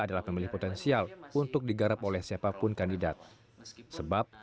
dan aku tinggal dari kecil juga di jakarta